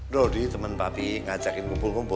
dodi teman papi ngajakin kumpul kumpul